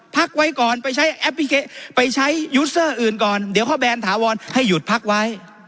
พักไว้ก่อนไปใช้แอปพลิเคไปใช้ยูสเซอร์อื่นก่อนเดี๋ยวเขาแบนถาวรให้หยุดพักไว้